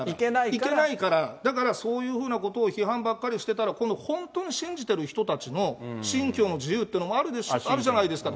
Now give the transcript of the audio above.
いけないから、だからそういうふうなことを批判ばっかりしてたら、この本当の信じてる人たちの信教の自由っていうのもあるじゃないですか。